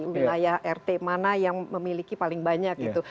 wilayah rt mana yang memiliki paling banyak gitu